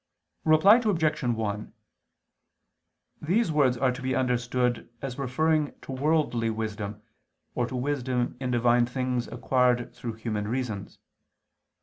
Reply Obj. 1: These words are to be understood as referring to worldly wisdom, or to wisdom in Divine things acquired through human reasons.